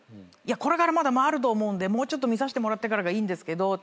これからまだ回ると思うんでもうちょっと見さしてもらってからがいいんですけどって。